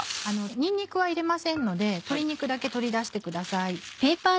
にんにくは入れませんので鶏肉だけ取り出してください。